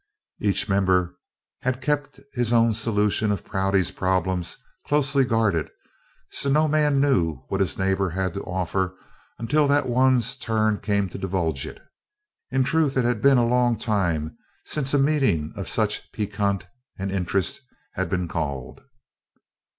Each member had kept his own solution of Prouty's problem closely guarded, so no man knew what his neighbor had to offer until that one's turn came to divulge it. In truth, it had been a long time since a meeting of such piquancy and interest had been called.